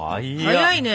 早いね！